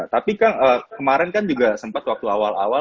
tapi kang kemarin kan juga sempat waktu awal awal